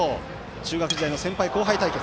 中学時代の先輩・後輩対決。